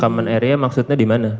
common area maksudnya di mana